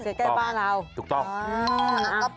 เข็ดใกล้บ้านเราถูกต้องอ่า